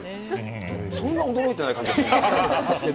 そんな驚いてない感じが。